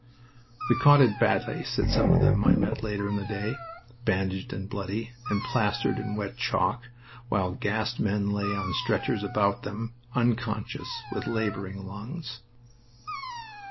"We caught it badly," said some of them I met later in the day, bandaged and bloody, and plastered in wet chalk, while gassed men lay on stretchers about them, unconscious, with laboring lungs.